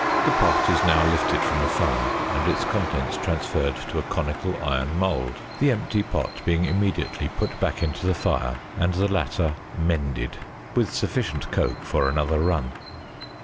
The pot is now lifted from the fire, and its contents transferred to a conical iron mould, the empty pot being immediately put back into the fire, and the latter "mended" with sufficient coke for another run.